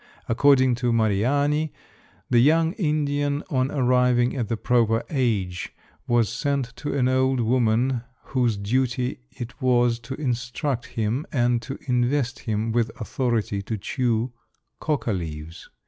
According to Mariani, the young Indian on arriving at the proper age was sent to an old woman whose duty it was to instruct him and to invest him with authority to chew coca leaves.